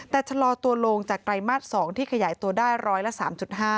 แต่ชะลอตัวลงจากไตรมาส๒ที่ขยายตัวได้ร้อยละ๓๕